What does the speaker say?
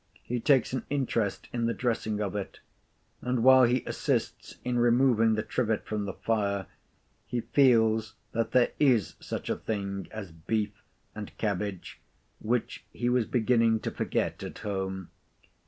He takes an interest in the dressing of it; and while he assists in removing the trivet from the fire, he feels that there is such a thing as beef and cabbage, which he was beginning to forget at home.